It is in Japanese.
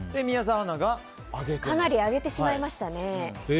かなり上げてしまいましたね。